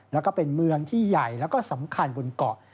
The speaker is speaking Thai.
แล้วก็เป็นเมืองที่ใหญ่แล้วก็สำคัญบนเกาะ